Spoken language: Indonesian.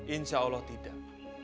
insya allah tidak